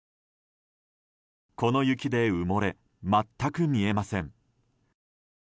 この雪で埋もれ全く見えません。